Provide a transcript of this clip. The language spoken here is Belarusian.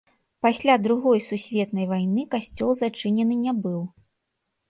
Пасля другой сусветнай вайны касцёл зачынены не быў.